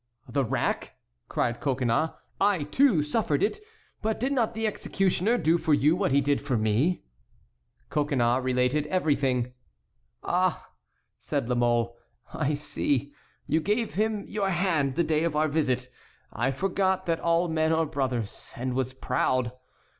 "The rack!" cried Coconnas, "I, too, suffered it, but did not the executioner do for you what he did for me?" Coconnas related everything. "Ah!" said La Mole, "I see; you gave him your hand the day of our visit; I forgot that all men are brothers, and was proud.